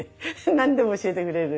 何でも教えてくれる。